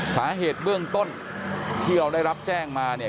สาเหตุเบื้องต้นที่เราได้รับแจ้งมาเนี่ย